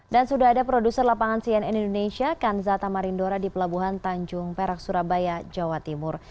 dan sudah ada produser lapangan cnn indonesia kanzata marindora di pelabuhan tanjung perak surabaya jawa timur